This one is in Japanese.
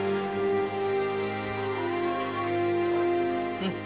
うん！